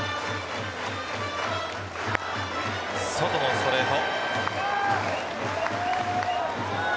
外のストレート。